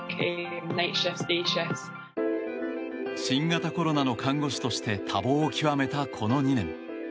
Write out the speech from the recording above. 新型コロナの看護師として多忙を極めた、この２年。